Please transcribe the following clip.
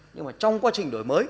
nhưng mà trong quá trình đổi mới